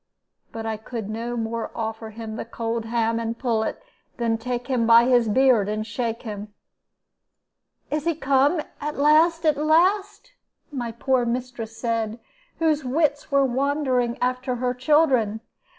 But I could no more offer him the cold ham and pullet than take him by his beard and shake him. "'Is he come, at last, at last?' my poor mistress said, whose wits were wandering after her children.